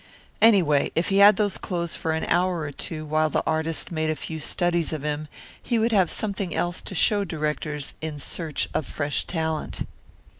Anyway, if he had those clothes for an hour or two while the artist made a few studies of him he would have something else to show directors in search of fresh talent.